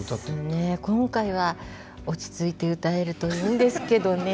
今回は落ち着いて歌えるといいんですけどね。